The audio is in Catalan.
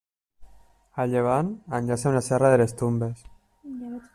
A llevant, enllaça amb la Serra de les Tombes.